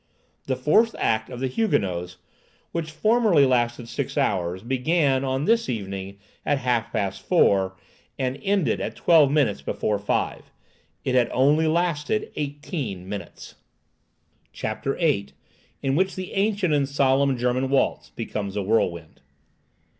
The fourth act of the "Huguenots," which formerly lasted six hours, began, on this evening at half past four, and ended at twelve minutes before five. It had only lasted eighteen minutes! CHAPTER VIII. IN WHICH THE ANCIENT AND SOLEMN GERMAN WALTZ BECOMES A WHIRLWIND.